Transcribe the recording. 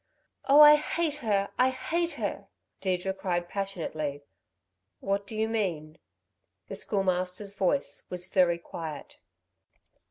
"Oh, I hate her! I hate her!" Deirdre cried, passionately. "What do you mean?" The Schoolmaster's voice was very quiet.